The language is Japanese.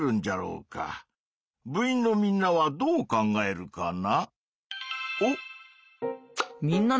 部員のみんなはどう考えるかな？